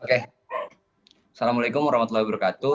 assalamualaikum wr wb